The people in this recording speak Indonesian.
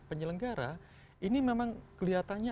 penyelenggara ini memang kelihatannya